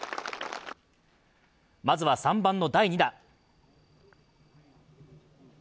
まずは３番の第２打。